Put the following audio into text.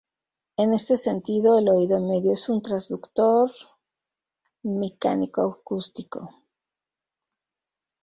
En este sentido, el oído medio es un transductor mecánico-acústico.